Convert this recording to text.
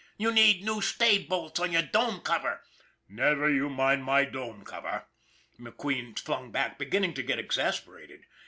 You need new stay bolts on your dome cover !"" Never you mind my dome cover," McQueen flung back, beginning to get exasperated.